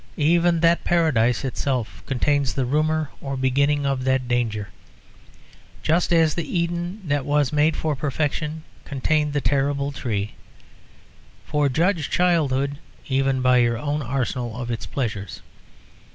Even that paradise itself contains the rumour or beginning of that danger, just as the Eden that was made for perfection contained the terrible tree. For judge childhood, even by your own arsenal of its pleasures.